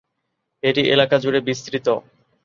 এটি এলাকাজুড়ে বিস্তৃত।